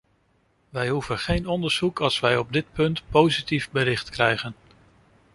Wij hoeven geen onderzoek, als wij op dit punt positief bericht krijgen.